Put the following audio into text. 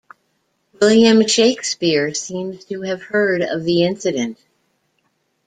William Shakespeare seems to have heard of the incident.